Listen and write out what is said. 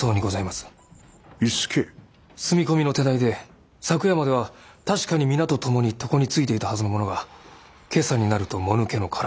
住み込みの手代で昨夜までは確かに皆と共に床についていたはずのものが今朝になるともぬけの殻。